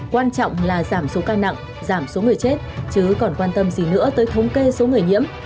quan trọng là giảm số ca nặng giảm số người chết chứ còn quan tâm gì nữa tới thống kê số người nhiễm